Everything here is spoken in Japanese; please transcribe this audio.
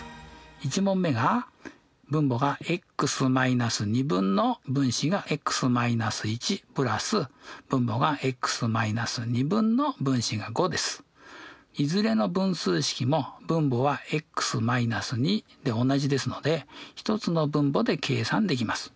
１問目がいずれの分数式も分母はｘ−２で同じですので１つの分母で計算できます。